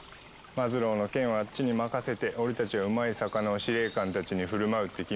マズローの件はあっちに任せて俺たちはうまい魚を司令官たちに振る舞うって決めただろ。